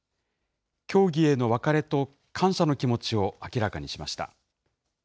競技への別れと感謝の気持ちを明らかにしました。